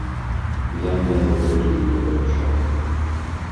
Я меру гэтую не вырашаю.